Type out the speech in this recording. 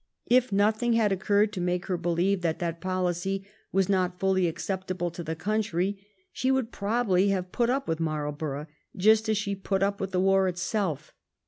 If nothing had occurred to make her believe that that policy was not fully acceptable to the country, she would probably have put up with Marlborough just as she put up with the war itself.